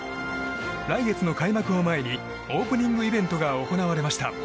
来月の開幕を前にオープニングイベントが行われました。